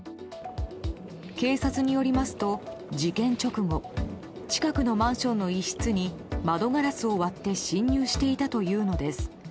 警察によりますと事件直後近くのマンションの一室に窓ガラスを割って侵入していたというのです。